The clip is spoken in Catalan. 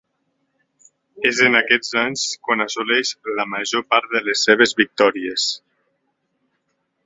És en aquests anys quan assoleix la major part de les seves victòries.